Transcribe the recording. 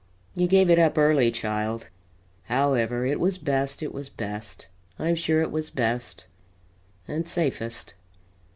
You gave it up early, child. However, it was best, it was best I'm sure it was best and safest."